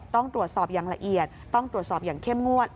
ต้องตรวจสอบอย่างละเอียดต้องตรวจสอบอย่างเข้มงวด